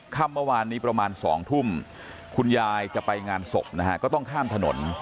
ค่ำเมื่อวานนี้ประมาณ๒ทุ่มคุณยายจะไปงานศพนะฮะก็ต้องข้ามถนน